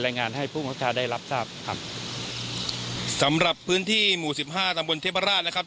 งานให้ผู้บังคับชาได้รับทราบครับสำหรับพื้นที่หมู่สิบห้าตำบลเทพราชนะครับ